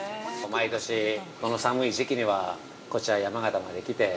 ◆毎年、この寒い時期にはこちら山形まで来て。